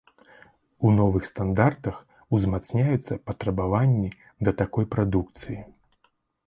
У новых стандартах узмацняюцца патрабаванні да такой прадукцыі.